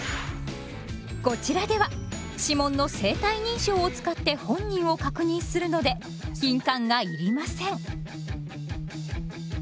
こちらでは指紋の生体認証を使って本人を確認するので印鑑がいりません。